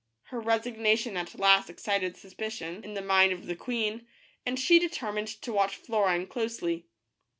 Her resignation at last excited suspicion 24 t in the mind of the queen, and she de termined to watch Florine closely.